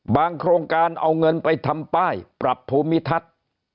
โครงการเอาเงินไปทำป้ายปรับภูมิทัศน์